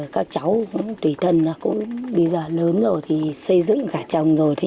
các cháu cũng tùy thân bây giờ lớn rồi thì xây dựng cả chồng rồi